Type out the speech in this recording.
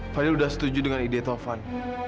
fadil udah setuju dengan ide taufan